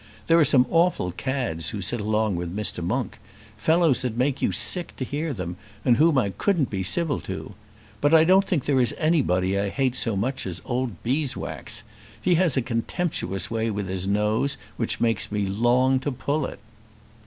There are some awful cads who sit along with Mr. Monk; fellows that make you sick to hear them, and whom I couldn't be civil to. But I don't think there is anybody I hate so much as old Beeswax. He has a contemptuous way with his nose which makes me long to pull it."